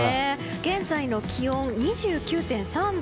現在の気温、２９．３度。